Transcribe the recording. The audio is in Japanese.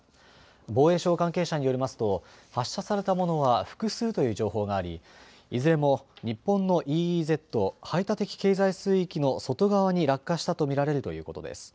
防衛省関係者によりますと発射されたものは複数という情報があり、いずれも日本のＥＥＺ・排他的経済水域の外側に落下したと見られるということです。